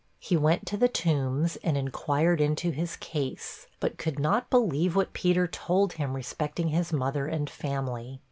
He went to the Tombs and inquired into his case, but could not believe what Peter told him respecting his mother and family.